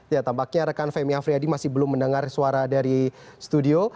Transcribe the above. ya tampaknya rekan femi afriyadi masih belum mendengar suara dari studio